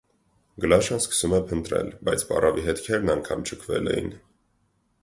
Գլաշան սկսում է փնտրել, բայց պառավի հետքերն անգամ չքվել էին։